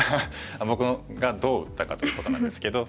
僕がどう打ったかということなんですけど。